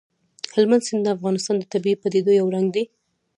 هلمند سیند د افغانستان د طبیعي پدیدو یو رنګ دی.